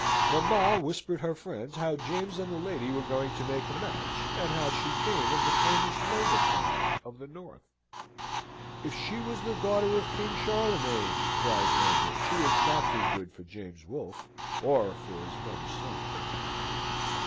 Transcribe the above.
Mamma whispered her friend how James and the lady were going to make a match, and how she came of the famous Lowther family of the North. "If she was the daughter of King Charlemagne," cries Lambert, "she is not too good for James Wolfe, or for his mother's son."